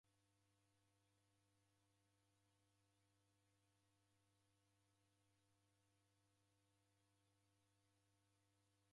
Boi yabwagha mbew'a.